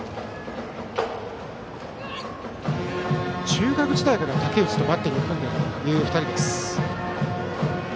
中学時代から武内とバッテリーを組んでいる２人です。